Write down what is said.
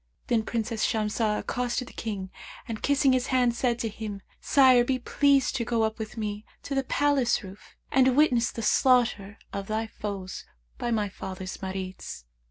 Then Princess Shamsah accosted the King and kissing his hand, said to him, 'Sire, be pleased to go up with me to the palace roof and witness the slaughter of thy foes by my father's Marids.'